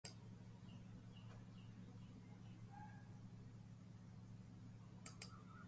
Singh won the Open and overtook Tiger Woods as the world's number one player.